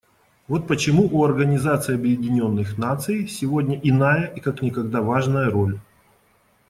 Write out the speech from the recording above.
Вот почему у Организации Объединенных Наций сегодня иная и как никогда важная роль.